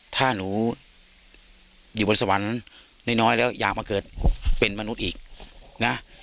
ถ้าหนูอยู่บนสวรรค์น้อยแล้วอยากมาเกิดเป็นมนุษย์อีกนะ